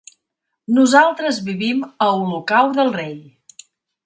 Nosaltres vivim a Olocau del Rei.